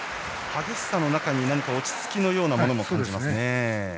激しさの中に落ち着きのようなものも感じます。